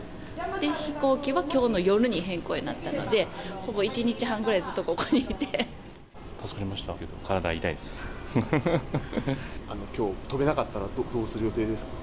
飛行機はきょうの夜に変更になったので、ほぼ１日半ぐらいずっと助かりましたが、体が痛いできょう、飛べなかったらどうする予定ですか。